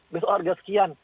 besok harga sekian